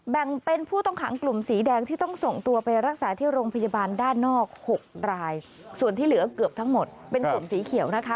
แบ่งเป็นผู้ต้องขังกลุ่มสีแดงที่ต้องส่งตัวไปรักษาที่โรงพยาบาลด้านนอก๖ราย